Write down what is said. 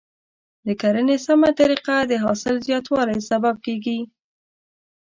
د کرنې سمه طریقه د حاصل زیاتوالي سبب کیږي.